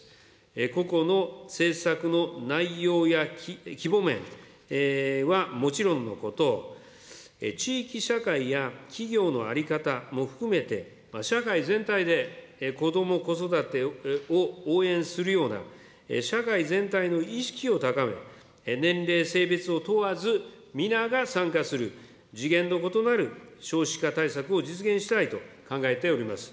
個々の政策の内容や規模面はもちろんのこと、地域社会や企業の在り方も含めて、社会全体でこども・子育てを応援するような社会全体の意識を高め、年齢、性別を問わず、皆が参加する次元の異なる少子化対策を実現したいと考えております。